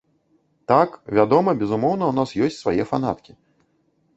Так, вядома, безумоўна ў нас ёсць свае фанаткі.